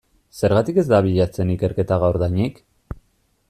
Zergatik ez da abiatzen ikerketa gaurdanik?